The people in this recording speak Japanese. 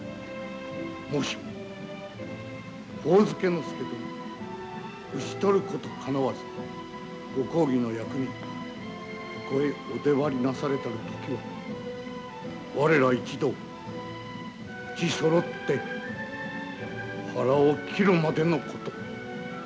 もしも上野介殿召し捕ることかなわずご公儀の役人ここへお出張りなされたる時は我ら一同うちそろって腹を切るまでのこと。